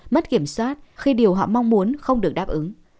mất kiểm soát khi điều họ mong muốn không được đáp ứng